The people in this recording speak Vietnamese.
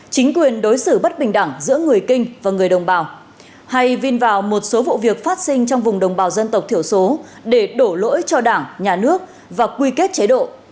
chính quyền đối xử bất bình đẳng giữa người kinh và người đồng bào hay vin vào một số vụ việc phát sinh trong vùng đồng bào dân tộc thiểu số để đổ lỗi cho đảng nhà nước và quy kết chế độ